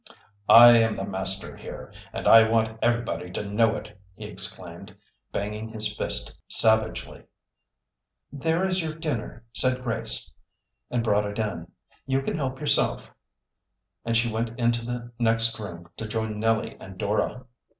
"I am the master here, and I want everybody to know it!" he exclaimed, banging his fist savagely. "There is dinner," said Grace, and brought it in. "You can help yourself." And she went into the next room to join Nellie and Dora.